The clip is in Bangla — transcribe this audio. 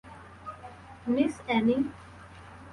Miss Anning.